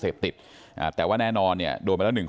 ครูจะฆ่าแม่ไม่รักตัวเอง